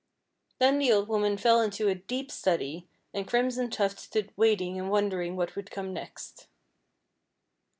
Then the old woman fell into a deep study, and Crimson Tuft stood waiting and wondering what would come next.